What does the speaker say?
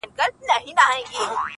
چي پکي روح نُور سي، چي پکي وژاړي ډېر،